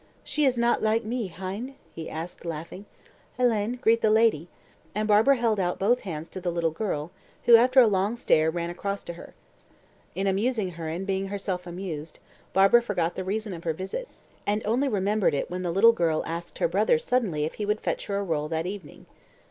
"She is not like me, hein?" he asked, laughing. "Hélène, greet the lady," and Barbara held out both hands to the little girl, who, after a long stare, ran across to her. In amusing her and being herself amused, Barbara forgot the reason of her visit, and only remembered it when the little girl asked her brother suddenly if he would fetch her a roll that evening.